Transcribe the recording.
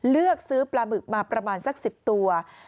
เลือกซื้อปลาบึกมาประมาณสัก๑๐ตัว